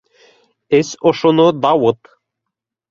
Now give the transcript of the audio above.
Эс ошоно, Дауыт.